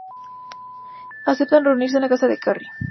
Aceptan reunirse en casa de Carrie.